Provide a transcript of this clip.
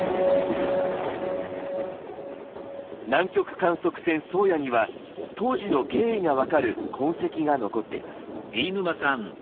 南極観測船「宗谷」には当時の経緯が分かる痕跡が残っています。